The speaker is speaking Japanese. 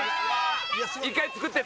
１回作って。